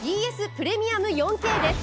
プレミアム４Ｋです。